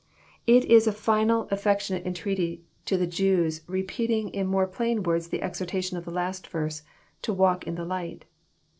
It is a final, affectionate entreaty to the Jews repeat ing in more plain words the exhortation of the last verse, " To walk in the light."